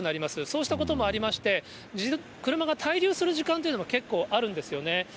そうしたこともありまして、車が滞留する時間というのも結構あるんですよね。